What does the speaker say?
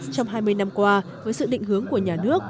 trong hai mươi năm qua với sự định hướng của nhà nước